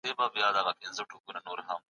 سیاست پوهنه د یوې غوره نړۍ لپاره هڅه ده.